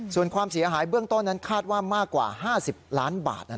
ส่วนความเสียหายเบื้องต้นนั้นคาดว่ามากกว่า๕๐ล้านบาท